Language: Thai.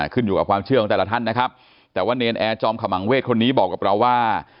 ขึ้นอยู่กับความเชื่อของแต่ละท่านนะครับแต่ว่าเนรนแอร์จอมขมังเวศคนนี้บอกกับเราว่า